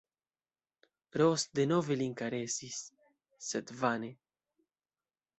Ros denove lin karesis, sed vane.